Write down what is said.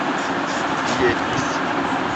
İyi etmişsin.